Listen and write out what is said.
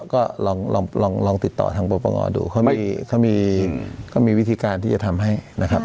ก็ลองติดต่อทักทนประปังงอดูเขามีวิธีการที่ทำให้